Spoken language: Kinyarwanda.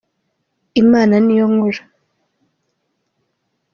imana niyo nkuru.